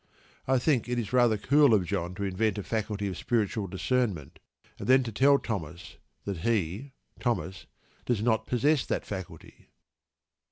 I think it is rather cool of John to invent a faculty of "spiritual discernment," and then to tell Thomas that he (Thomas) does not possess that faculty.